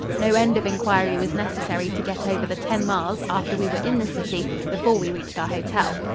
No end of inquiry was necessary to get over the ten miles after we were in the city before we reached our hotel.